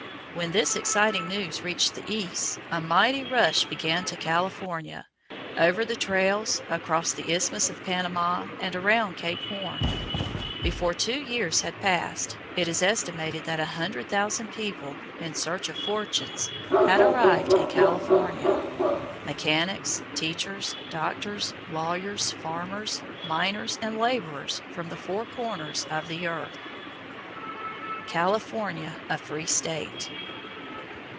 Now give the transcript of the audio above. When this exciting news reached the East, a mighty rush began to California, over the trails, across the Isthmus of Panama, and around Cape Horn. Before two years had passed, it is estimated that a hundred thousand people, in search of fortunes, had arrived in California mechanics, teachers, doctors, lawyers, farmers, miners, and laborers from the four corners of the earth. [Illustration: From an old print SAN FRANCISCO IN 1849] _California a Free State.